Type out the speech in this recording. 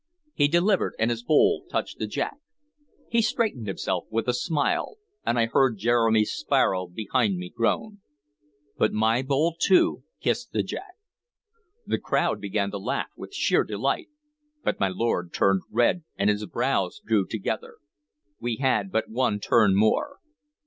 He delivered, and his bowl touched the jack. He straightened himself, with a smile, and I heard Jeremy Sparrow behind me groan; but my bowl too kissed the jack. The crowd began to laugh with sheer delight, but my lord turned red and his brows drew together. We had but one turn more.